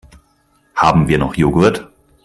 Haben wir noch Joghurt?